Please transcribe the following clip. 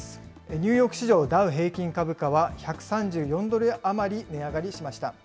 ニューヨーク市場ダウ平均株価は、１３４ドル余り値上がりしました。